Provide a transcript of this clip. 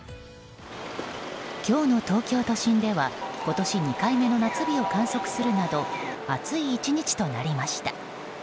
今日の東京都心では今年２回目の夏日を観測するなど暑い１日となりました。